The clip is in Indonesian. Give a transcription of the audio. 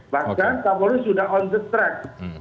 bahkan kapolri sudah on the track